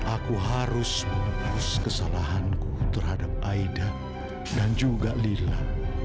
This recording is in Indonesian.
aku harus mengukus kesalahanku terhadap aida dan juga lila